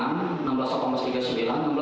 menoleh ke kanan